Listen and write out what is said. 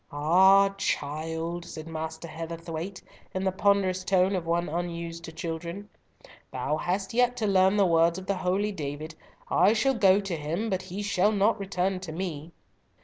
"Ah, child!" said Master Heatherthwayte, in the ponderous tone of one unused to children, "thou hast yet to learn the words of the holy David, 'I shall go to him, but he shall not return to me.'"